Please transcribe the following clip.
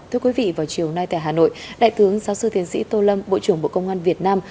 thưa quý vị vào chiều nay tại hà nội đại tướng giáo sư thiên sĩ tô lâm bộ trưởng bộ công an việt nam